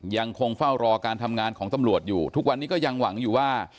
ยังคงเฝ้ารอการทำงานของตำรวจอยู่ทุกวันนี้ก็ยังหวังอยู่ว่า